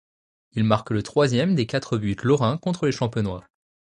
Il marque le troisième des quatre buts lorrains, contre les champenois.